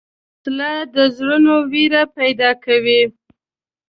وسله د زړونو وېره پیدا کوي